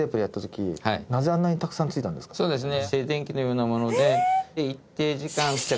そうですね